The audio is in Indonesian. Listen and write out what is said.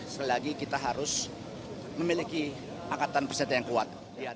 selagi kita harus memiliki angkatan pesawat yang kuat